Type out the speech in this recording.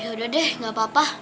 yaudah deh gak apa apa